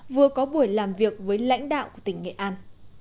vừa có buổi làm việc với lãnh đạo tỉnh nghệ an